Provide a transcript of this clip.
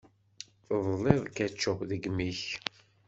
Teḍliḍ ketchup deg imi-k.